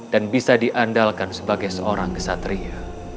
dan bisa diandalkan sebagai seorang kesatria